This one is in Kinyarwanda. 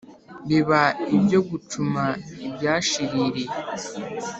biba ibyo gucuma ibyashiririye